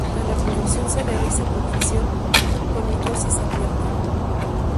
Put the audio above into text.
La reproducción se realiza por fisión, con mitosis abierta.